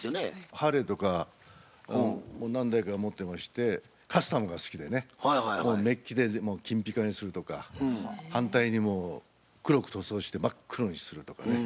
ハーレーとか何台か持ってましてカスタムが好きでねメッキでもう金ピカにするとか反対にもう黒く塗装して真っ黒にするとかね。